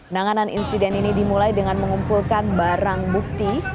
nanganan insiden ini dimulai dengan mengumpulkan barang bukti